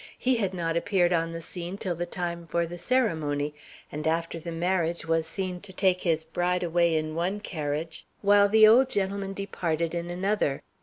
He had not appeared on the scene till the time for the ceremony, and after the marriage was seen to take his bride away in one carriage while the old gentleman departed in another.